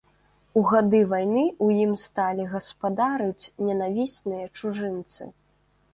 У гады вайны ў ім сталі гаспадарыць ненавісныя чужынцы.